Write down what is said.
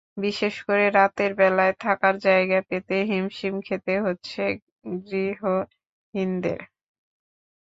বিশেষ করে রাতের বেলায় থাকার জায়গা পেতে হিমশিম খেতে হচ্ছে গৃহহীনদের।